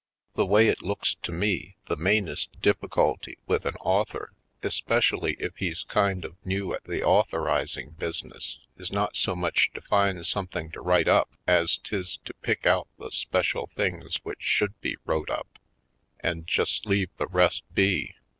The way it looks to me, the mainest difficulty with an author, especially if he's kind of new at the author izing business, is not so much to find some thing to write up as 'tis to pick out the special things which should be wrote up and just leave the rest be.